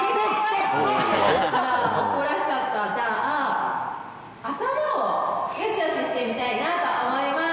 じゃあ頭をよしよししてみたいなと思います。